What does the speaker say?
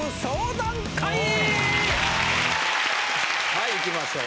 はいいきましょう。